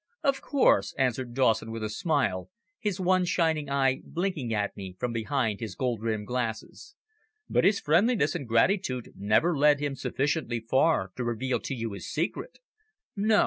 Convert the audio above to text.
"Of course," answered Dawson with a smile, his one shining eye blinking at me from behind his gold rimmed glasses. "But his friendliness and gratitude never led him sufficiently far to reveal to you his secret. No.